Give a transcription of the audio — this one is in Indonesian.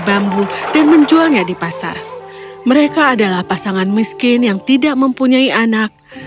adalah pasangan miskin yang tidak mempunyai anak